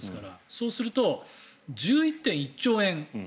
そうすると１１．１兆円